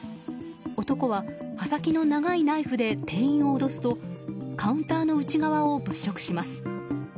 男は刃先の長いナイフで店員を脅すとカウンターの内側を物色します。